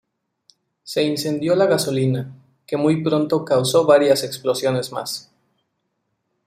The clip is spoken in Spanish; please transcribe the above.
Se incendió la gasolina, que muy pronto causó varias explosiones más.